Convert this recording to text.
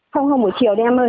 không không buổi chiều đi em ơi